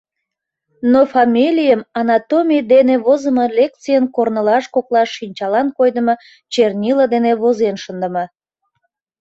Но фамилийым анатомий дене возымо лекцийын корнылаж коклаш шинчалан койдымо чернила дене возен шындыме.